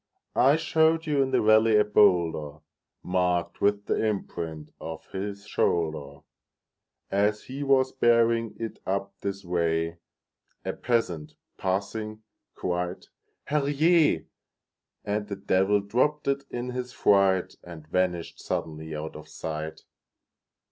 I showed you in the valley a boulderMarked with the imprint of his shoulder; As he was bearing it up this way,A peasant, passing, cried, "Herr Jé!"And the Devil dropped it in his fright, And vanished suddenly out of sight!